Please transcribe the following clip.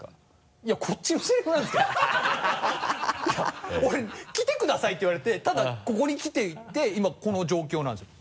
いや俺来てくださいって言われてただここ来てて今この状況なんですよ。